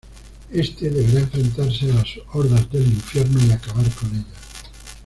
Este deberá enfrentarse a las hordas del infierno y acabar con ellas.